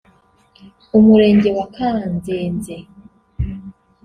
Umurenge wa Kanzenze